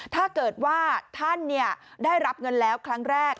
ถ้าเกิดว่าท่านได้รับเงินแล้วครั้งแรก